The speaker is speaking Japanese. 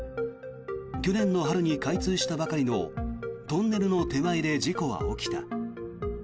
去年の春に開通したばかりのトンネルの手前で事故は起きた。